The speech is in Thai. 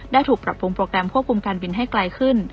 ถูกปรับปรุงโปรแกรมควบคุมการบินให้ไกลขึ้น